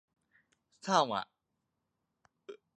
เศร้า.